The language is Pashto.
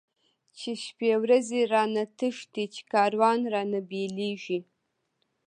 چی شپی ورځی را نه تښتی، چی کاروان را نه بیلیږی